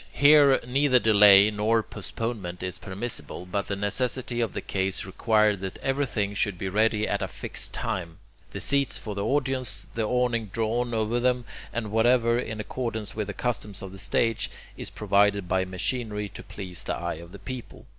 Here neither delay nor postponement is permissible, but the necessities of the case require that everything should be ready at a fixed time, the seats for the audience, the awning drawn over them, and whatever, in accordance with the customs of the stage, is provided by machinery to please the eye of the people.